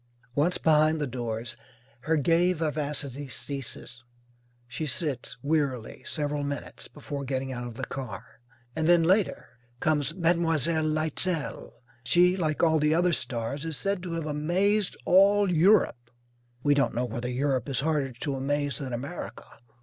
Once behind the doors her gay vivacity ceases. She sits, wearily, several minutes, before getting out of the car. And then, later, comes Mlle. Leitzel. She, like all the other stars, is said to have "amazed all Europe." We don't know whether Europe is harder to amaze than America.